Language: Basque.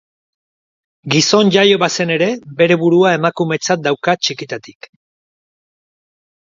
Gizon jaio bazen ere, bere burua emakumetzat dauka txikitatik.